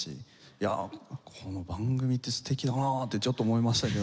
いやこの番組って素敵だなってちょっと思いましたけどね。